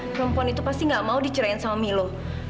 perempuan itu pasti gak mau dicerain sama milo